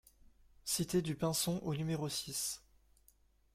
Cite du Pinson au numéro six